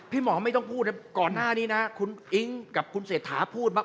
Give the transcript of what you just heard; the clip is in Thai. หมอไม่ต้องพูดนะก่อนหน้านี้นะคุณอิ๊งกับคุณเศรษฐาพูดว่า